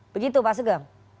begitu pak sege